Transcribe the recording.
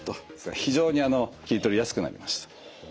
非常に切り取りやすくなりました。